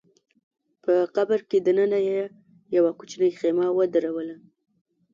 په قبر کي دننه يې يوه کوچنۍ خېمه ودروله